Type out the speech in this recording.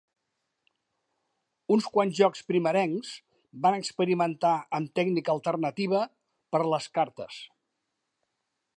Uns quants jocs primerencs van experimentar amb tècnica alternativa per les cartes.